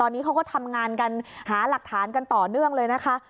ตอนนี้เขาก็ทำงานกันหาหลักฐานกันต่อเนื่องเลยนะคะ